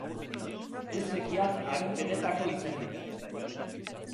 Ez zekiat haren benetako izenik.